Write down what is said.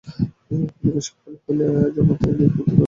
আমেরিকার সরকারি ফাইলেও তার জন্ম তারিখ লিপিবদ্ধ আছে কিনা আমি সন্দিহান।